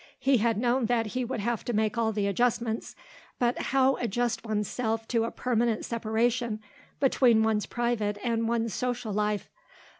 He had known that he would have to make all the adjustments, but how adjust oneself to a permanent separation between one's private and one's social life?